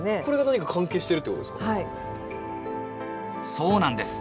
そうなんです。